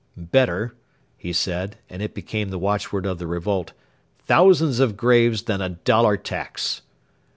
'Better,' he said, and it became the watchword of the revolt, 'thousands of graves than a dollar tax.'